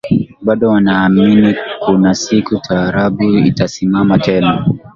Bado wanaamini kuna siku taarabu itasimama tena